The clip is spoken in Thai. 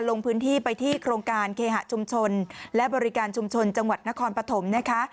ลงพื้นที่ไปที่โครงการเคหะชุมชนและบริการชุมชนจังหวัดนครปฐมนะคะ